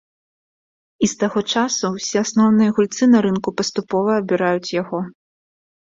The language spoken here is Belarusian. І з таго часу ўсе асноўныя гульцы на рынку паступова абіраюць яго.